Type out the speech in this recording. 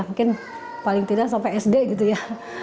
mungkin paling tidak sampai sd gitu ya